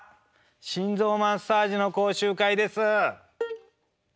心臓マッサージの講習会です。